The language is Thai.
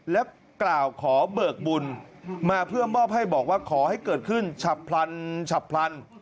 และกล่าวขอเบิกบุญมาเพื่อมอบให้บอกว่าขอให้เกิดขึ้นฉับพลันฉับพลัน